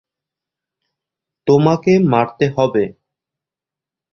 তোমাকে মারতে হবে।